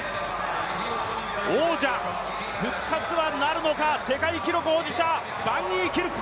王者復活はなるのか世界記録保持者バンニーキルク。